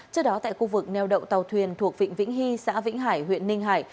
trước đó tại khu vực neo đậu tàu thuyền thuộc vịnh vĩnh hy xã vĩnh hải huyện ninh hải